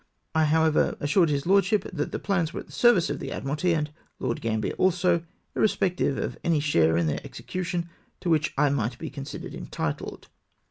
I, however, assured his lordship that the plans were at the service of the Admiralty, and Lord Gambler also, irrespective of any share in their execu tion to wliich I might be considered entitled."